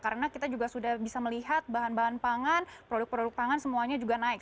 karena kita juga sudah bisa melihat bahan bahan pangan produk produk pangan semuanya juga naik